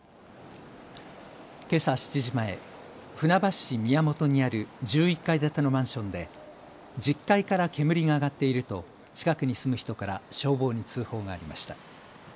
けさ７時前、船橋市宮本にある１１階建てのマンションで１０階から煙が上がっていると近くに住む人から消防に通報がありました。